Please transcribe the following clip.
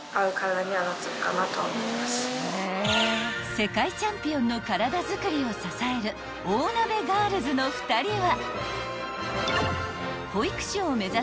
［世界チャンピオンの体づくりを支える大鍋ガールズの２人は］